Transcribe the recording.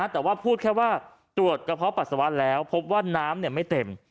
แต่ว่าพูดแค่ว่าตรวจกระเพาะปัสสาวะแล้วพบว่าน้ำไม่เต็ม